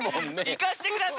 いかせてください